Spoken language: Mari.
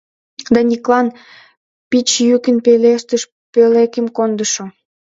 Даниклан, — пич йӱкын пелештыш пӧлекым кондышо.